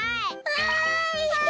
わい！